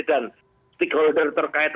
dan stakeholder terkait